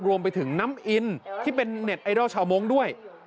รวมไปถึงน้ำอินที่เป็นเน็ตไอดอลชาวมงค์ด้วย